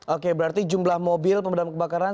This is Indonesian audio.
oke berarti jumlah mobil pemadam kebakaran